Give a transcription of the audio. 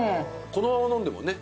このまま飲んでもね。